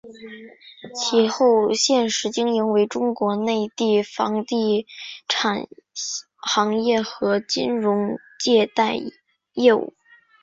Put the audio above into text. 其后现时经营为中国内地房地产行业和金融借贷业务。